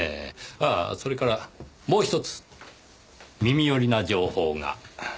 ああそれからもうひとつ耳寄りな情報が。